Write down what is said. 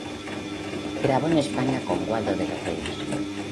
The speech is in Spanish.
Grabó en España con Waldo de los Ríos.